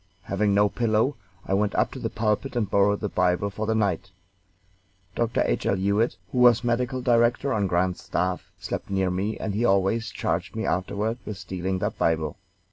Having no pillow, I went up to the pulpit and borrowed the Bible for the night. Dr. H. L. Hewitt, who was medical director on Grant's staff, slept near me, and he always charged me afterward with stealing that Bible.